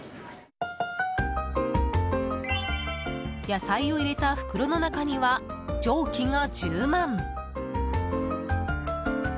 野菜を入れた袋の中には蒸気が充満。